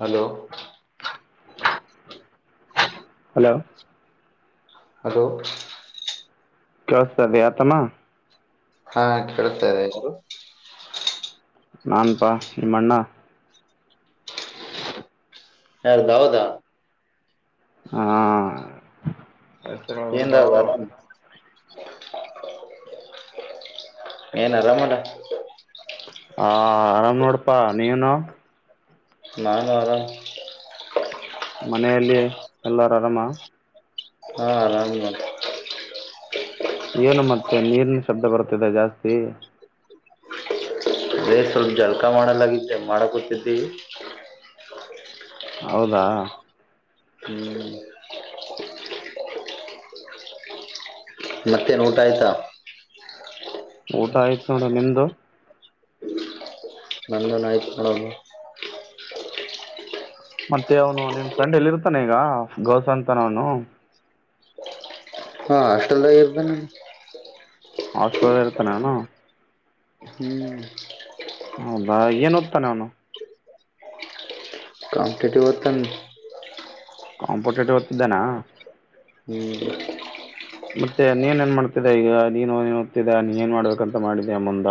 Hello hello ಅದು ಕೆಳತದೆ ಆತಮ್ಮ ಹಾ ಕೇಳತಾ ಇದೆ ಹೆರು ನನ್ಪಾ ನಿಮ್ಮಣ್ಣ ಯಾರದ ಹೌದಾ ಹಾ ಏನ್ವದು ಏನ ರಾಮಡ ಹ ಆರಾಮ್ ನೋಡಪ್ಪಾ ನೀವನು ನಾ ನಾರ ಮನೆಯಲ್ಲಿ ಎಲ್ಲಾರ ಆರಾಮ ಹಾ ಆರಾಮ ಏನು ಮತ್ತೆ ನೀರ್ನ ಶಬ್ದ ಬರ್ತದೆ ಜಾಸ್ತಿ ಬೇ ಸ್ವಲ್ಪ ಜಲ್ಕಾ ಮಾಡಲಾಗಿದ್ದೆ ಮಾಡಕೂತಿದ್ದೀವಿ ಹೌದಾ ಹ ಮತ್ತೇ ಊಟ ಆಯ್ತಾ ಊಟ ಆಯ್ತು ನೋಡ ನಿಮ್ದು ನನ್ನ ನಾಯಕು ನ [inaudible] ೌ ಮತ್ತೆ ಅವನು ನಿಮ್ ಫ್ರೆಂಡ್ ಎಲ್ಲಿ ಇರ್ತಾನೆ ಈಗ ಗೌಸ ಅಂತಾನ ಅವನು ಹಾ ಹಾಸ್ಟೆಲ್ದಾಗ ಇರ್ದ ನ ಹಾಸ್ಟೆಲಲ್ಲ ಇರುತ್ತೆ ನಾನು ಹ್ಮ್ ಹೌದಾ ಏನ ಹೊ್ತಾನೆ ಅವನು ಕಂಪಟೇಟಿವ್ತ ಕಾಂಪೋಟೇಟಿವ್ ಹೊತಿದ್ದಾನ ಹ್ಮ್ ಮತ್ತೆ ನೀನ್ ಏನ್ ಮಾಡ್ತಿದ್ದ ಈಗ ನೀನ್ನ್ ಓ್ತಿದ ನೀನ್ ಏನ್ ಮಾಡ್ಬೇಕಂತ ಮಾಡಿದ್ಯಾಯ ಮುಂದ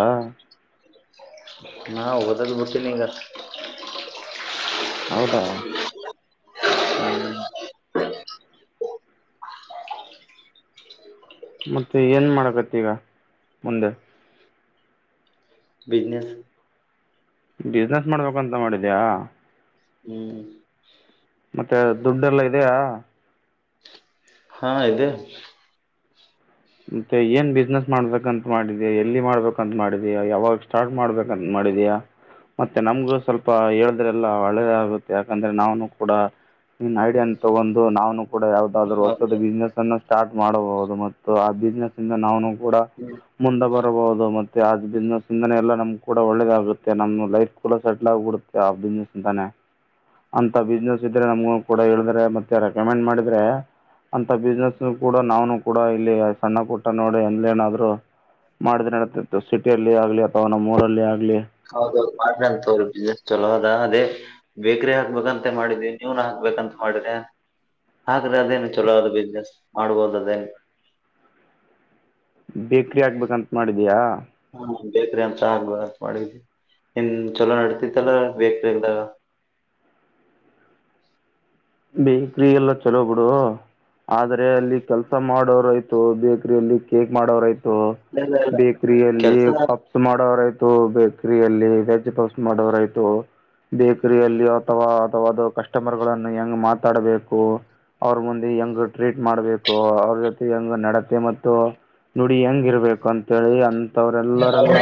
ನಾ ಓದಕ್ಕೆ ಬಿಡ್ಟ್ಟೀನಿಂಗ ಹೌದಾ ಮತ್ತುೆ ಏನು ಮಾಡಕತ್ತ ಈಗ ಮುಂದೆ ಬಿಿಸ್ನೆಸ್ ಬಿಸ್ನೆಸ್ ಮಾಡ್ಬೇಕಂತ ಮಾಡಿದ್ಯಾ ಹ್ಮ್ ಮತ್ತೆ ದುಡ್ಡೆಲ್ಲ ಇದೆಯಾ ಹಾ ಇದೆ ಮತ್ತೆ ಏನ್ ಬಿಸ್ನೆಸ್ ಮಾಡ್ಬೇಕಂತ ಮಾಡಿದಾ ಎಲ್ಲಿ ಮಾಡ್ಬೇಕಂತ ಮಾಡಿದ್ಯಾ ಯಾವಾಗ ಸ್ಟಾರ್ಟ್ ಮಾಡ್ಬೇಕು ಮಾಡಿದಯಾ ಮತ್ತೆ ನಮ್ಗು ಸ್ವಲ್ಪ ಹೇಳದ್ರೆಲ್ಲ ಒಳ್ಳೆದ ಆಗುತ್ತೆ ಯಾಕಂದ್ರೆ ನಾವನು ಕೂಡ ಇನ್ ಐಡಿಯಾನ್ ತಗೊಂಡು ನಾನು ಕೂಡ ಯಾಾವದಾದ್ರು ಹೊಸದ ಬಿಸ್ನೆಸ್ ಅನ್ನು ಸ್ಟಾರ್ಟ್ ಮಾಡಬಹುದು ಮೆ ಸೊ ಆ ಬಿಸ್ನೆಸ್ ಇಂದ ನಾವನು ಕೂಡ ಮುಂದೆ ಬರಬಹುದು ಮತ್ತೆ ಆ್ ಬಿಸ್ನೆಸ್ ಇಂದನೇ ಎಲ್ಲಾ ನಮ್ ಕೂಡ ಒಳ್ಳೇದಾಗಗುತ್ತೆ ನಮ ಲೈಫ್ ಕೂಡ ಸೆಟಲ್ ಆಗ್ಬಡುತ್ತೆ ಸ ಅದಿನ ಚಿಂತಾನ ಅಂತ ಬಿಸ್ನೆಸ್ ಇದ್ರೆ ನಮ್ಗ ಕೂಡ ಹೇಳಿದ್ರೆ ಮತ್ತೆ ರೆಕಮೆಂಡ್ ಮಾಡಿದ್ರೆ ಅಂತ ಬಿಸ್ನೆೆಸ್ ಕೂಡ ನಾವನು ಕೂಡ ಇಲ್ಲಿ ಸಣ್ಣ ಕೊಟ್ಟ ನೋಡಿ ಅಂದಲ ಏನಾದ್ರು ಮಾಡಿದ್ರೆ ನಡತತ್ತು ಸಿಟಿಯಲ್ಲಿ ಆಗ್ಲಿ ಅಥವಾ ನಮ್ಮ್ ಊರಲ್ಲಿ ಆಗ್ಲಿ ಹೌದೌ ಮಾಡ್ರ ಅಂತ ಅವ್ರರು ಬಿಸ್ನೆಸ್ ಚಲೋ ಅದಾ ಅದೇ ಬೇಕ್ರ ಹಾಕ್ಬೇಕಂತ ಮಾಡಿದಿ ನೀವನ್ ಹಾಕ್ಬೇಕಂತ ಮಾಡಿದೆ ಆದ್ರೆ ಅದೇನು ಚಲೋ ಆದಿ ಬಿಸ್ನೆಸ್ ಮಾಡ್ಬೋದು ಅದೇನು. ಬೇಕ್ರಿ ಆಗ್ಬೇಕಂತ ಮಾಡಿದಿಯಾ. ಹ್ಮ್ ಬೇಕ್ರಿ ಅಂತ ಆಗ್ಬ ಮಾಡಿದಿನಿ ನೀನ್ ಚಲೋ ನಡತಿತ್ತಲ್ಲ ಬೇಕ್ರಿ ಹಾಕದಾಗ. ಬೇಕ್ರಿ ಎಲ್ಲಾ ಚಲೋ ಬಿಡು ಆದ್ರೆ ಅಲ್ಲಿ ಕೆಲ್ಸ ಮಾಡ್ ಆಯ್ತು ಬೇಕರಿ ಅಲ್ಲಿ ಕೇಕ್ ಮಾಡೋರಯ್ತು ಇಲ್ಲ ಇಲ್ಲ ಬೇಕರಿ ಅಲ್ಲಿ ಕೆಲ್ಸ ಪಾಪ್ಸ್ ಮಾಡೋರಾಯ್ತು ಬೇಕ್ರಿ ಅಲ್ಲಿ ವೆಜ್ ಪಾಪ್ಸ್ ಮಾಡೋರಾಯ್ತು. ಬೇಕರಿಯಲ್ಲಿ ಅಥವಾ ಅಥವಾ ಅದು ಕಸ್ಟಮರ್ಗಳನ್ನು ಹೆಂಗ್ ಮಾತಾಡಬೇಕು. ಅವ್ರ ಮುಂದೆ ಹೆಂಗ್ ಟ್ರೀಟ್ ಮಾಡ್ಬೇಕು ಅವ್ರ್ ಹೆಂಗ್ ನಡತೆ ಮತ್ತು ನುಡಿ ಹೆಂಗ್ ಇರ್ಬೇಕು ಅಂತೇಳಿ ಅನ್ ತವ್ರಲ್ಲರೆಲ್ಲ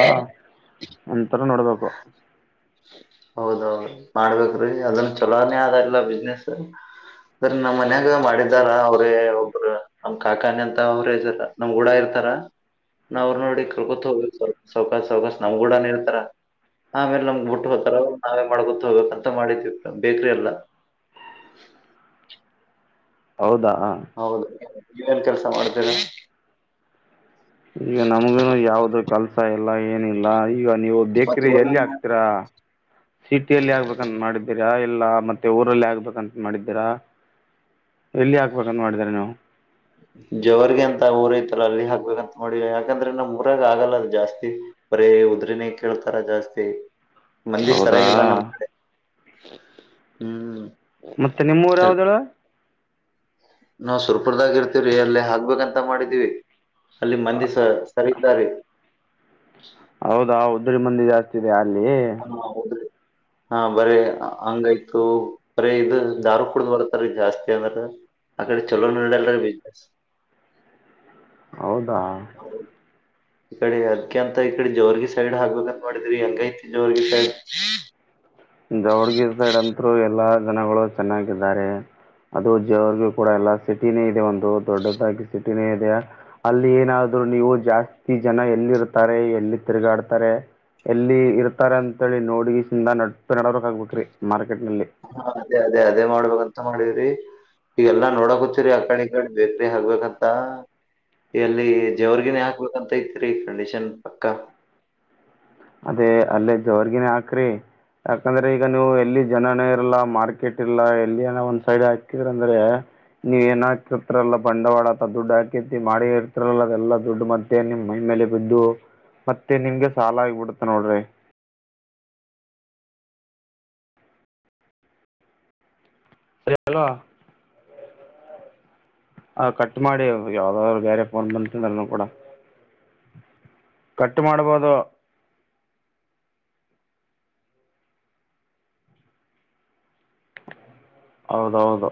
ಒಂಥರ ನೋಡ್ಬೇಕು. [unintelligible] ಹೌದೌದು ಮಾಡ್ಬೇಕ್ರೀ ಅದನ್ ಚಲೋನೇ ಆಗಲದ್ ಬಿಸ್ನೆಸ್ ಸರಿ ನಮ್ಮ್ ಮನ್ಯಾಗ ಮಾಡಿದಾರ ಅವ್ರೇ ಒಬ್ರು ನಮ್ ಕಾಕಾನೆ ಅಂತ ಅವರೇ ಹೆಜೋರ. ನಮ್ ಗೂಡ ಇರ್ತಾರ ನಾ ಅವ್ರರು ನೋಡಿ ಕಲ್ಕೊತ್ ಹೋಗ್ಬೇಕ್ ಸೌಕಾಸ ಸೌಕಶ ನಮ್ ಗೂಡಾನ ಇರ್ತಾರ. ಆಮೇಲೆ ನಮ್ಗೆ ಬಿಟ್ಟ್ ಹೋಗ್ತಾರ ಅವ ನಾವೇ ಮಾಡ್ ಗೊತ್ ಹೋಗಬೇಕಂತ ಮಾಡಿದತಿವಿ ಬೇಕ್ರಿ ಎಲ್ಲಾ ಹೌದಾ ಹೌದು ನೀವು ಏನ್ ಕೆಲಸ ಮಾಡ್ತೀರಿ. ಈಗ ನಮಗು ಯಾವ್ದು ಕೆಲಸ ಇಲ್ಲ ಏನಿಲ್ಲ ಈಗ ನೀವು ಮತ್ ಬೇಕ್ರಿ ಎಲ್ಲಿ ಊರಾಗ ಆಗ್ತೀರಾ ಸಿಟಿ ಎಲ್ಲಿ ಆಗ್ಬೇಕಂತ ಮಾಡ್ ದ್ದೀರಾ ಇಲ್ಲಾ ಮತ್ತೆ ಊರಲ್ಲಿ ಆಗ್ಬೇಕಂತ ಮಾಡಿದ್ದೀರಾ ಎಲ್ಲಿ ಆಕ್ಬೇಕಂತ ಮಾಡಿದೀರಾ ನೀವು. ಜವರ್ಗೆ ಅಂತ ಊರೈತಲ್ಲ ಅಲ್ಲಿ ಹಾಕ್ಬೇಕಂತ ಮಾಡಿವಿ ಯಾಕಂದ್ರೆ ನಮ್ ಊರಾಗ ಆಗಲ್ಲ ಅಲ್ಲಿ ಜಾಸ್ತಿ. ಬರೀ ಉದ್ರಿನೆ ಕೇಳ್ತಾರ ಜಾಸ್ತಿ. ಮಂದಿ ಹೌದಾ ಸರಾಗಿಲ್ಲ ನಮ್ಮ್ ಕಡೆ ಹ್ಮ್ ಮತ್ತೆ ನಿಮ್ಮೂರು ಯಾವ್ದ್ ಹೇಳ್ ನಾವು ಸುರ್ಪುರ್ದಾಗ ಇರ್ತವ್ರಿ ಅಲ್ಲಿ ಹಾಕ್ಬೇಕಂತ ಮಾಡಿದೀವಿ ಅಲ್ಲಿ ಮಂದಿ ಸ [unintelligible] ಹೌದಾ ಉದ್ದ್ಗ ಮಂದಿ ಜಾಸ್ತಿ ಇದೆ ಅಲ್ಲಿ ಹಾ ಹೌದ್ರರಿ. ಹಾ ಬರೀ ಹಂಗಯ್ತು ಬರೀ ಇದು ದಾರ ಕುಡ್ದ್ ಬರ್ತಾರೀ ಜಾಸ್ತಿ ಅಂದ್ರೆ ಅಕಡೆ ಚಲೋ ನಡಲ್ಲ ಬಿಸ್ನೆಸ್. ಹೌದಾ ಈ ಕಡೆ ಅಕೆ ಅಂತ ಈ ಕಡೆ ಜೋರ್ಗಿ ಸೈಡ್ ಹಾಕಬೇಕಂತ ಮಾಡಿದ್ರಿ ಹೆಂಗೈತ್ ಜೋರಾಗಿ ಸೈಡ್ ಜಾವಡ್ಗಿರ್ ಸೈಡ್ ಅಂತರು ಎಲ್ಲಾ. ಜನಗಳು ಚೆನ್ನಾಗಿದ್ದಾರೆ ಅದು ಜವರ್ಗೂ ಕೂಡ ಎಲ್ಲಾ ಸಿಟಿನೇ ಇದೆ ಒ ದೊಡ್ಡದಾಗಿ ಸಿಟಿನೇ ಇದೆ ಅಲ್ಲಿ ಏನಾದ್ರು ನೀವು ಜಾಸ್ತ್ ತಿ ಜನ ಎಲ್ಲಿ ಇರ್ತಾರೆ ಎಲ್ಲಿ ತಿರುಗಾಡ್ತಾರೆ ಎಲ್ಲಿ ಇರ್ತಾರೆ ಅಂತೇಳಿ ನೋಡಿ ಸಿಂದಾ ನಡ್ ನಡೋರಕ್ ಆಗ್ಬಿಟ್ರಿ ಮಾರ್ಕೆಟ್ ನಲ್ಲಿ. ಹಾ ಅದೇ ಅದೇ ಅದೇ ಮಾಡ್ಬೇಕಂತೆ ಮಾಡವ್ರಿ ಈಗಲ್ಲಾ ನೋಡಕ್ ಹುಚ್ಚಿರಿ ಆ ಕಡೆ ಈ ಕಡೆ ಬೇಕ್ರಿ ಹಗ್ಬೇಕಂತ. ಎಲ್ಲಿ ಜವರ್ಗಿನೇ ಹಾಕ್ಬೇಕಂತ್ ಇತ್ರೀ ಕಂಡೀಷನ್ ಪಕ್ಕ. ಅದೇ ಅಲ್ಲೇ ಜೋರ್ಗಿನೆ ಹಾಕರಿ. ಯಾಕಂದ್ರೆ ಈಗ ನೀವು ಎಲ್ಲಿ ಜನನೆ ಇರಲ್ಲಾ ಮಾರ್ಕೆಟ್ ಇರ್ಲ್ಲಾ ಎಲ್ಲಿನ ಒಂದ್ ಸೈಡ್ ಹಾಕಿದ್ರಂದ್ರೆ ನೀವೆ ಏನೇ ಹಾಕಿರ್ತರಲ್ಲ ಬಂಡವಾಳ ಅ ದುಡ್ ಹಾಕತಿ ಮಾಡಿ ಇರ್ತರಲ್ಲ ಅದೆಲ್ಲ ದುಡ್ಡು ಮೆ ಮತ್ತೆ ನಿಮ್ ಮೈ ಮೇಲೆ ಬಿದ್ದು ಮತ್ತೆ ನಿಮ್ಗೆ ಸಾಲ ಆಗ್ಬಿಡುತ್ತೆ ನೋಡ್ರಿ. ಸರಿಲ ಆ ಕಟ್ ಮಾಡಿ ಯಾವ್ದಾದ್ರು ಬೇರೆ ಪೋನ್ ಬಂತಲ್ ಕೂಡ ಕಟ್ ಮಾಡಬೋದು ಹೌದೌದು